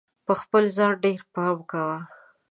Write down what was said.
په خپل ځان ډېر پام کوه!